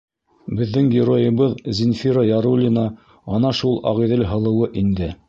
Беҙҙең геройыбыҙ Зинфира Яруллина ана шул Ағиҙел һылыуы инде.